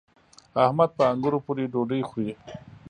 احمد په انګورو پورې ډوډۍ خوري.